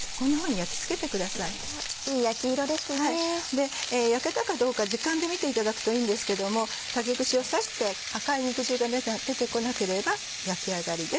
焼けたかどうか時間で見ていただくといいんですけど竹串を刺して赤い肉汁が出てこなければ焼き上がりです。